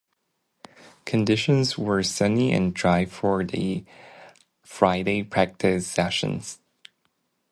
Conditions were sunny and dry for the Friday practice sessions.